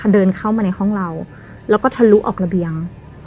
เดินเข้ามาในห้องเราแล้วก็ทะลุออกระเบียง